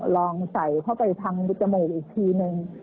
ลองใส่เข้าไปทางจมูกอีกทีนึง